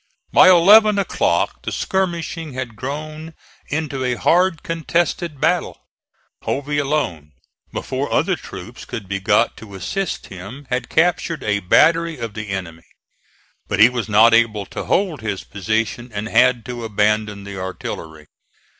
By eleven o'clock the skirmishing had grown into a hard contested battle. Hovey alone, before other troops could be got to assist him, had captured a battery of the enemy. But he was not able to hold his position and had to abandon the artillery.